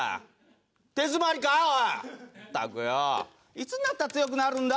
いつになったら強くなるんだ？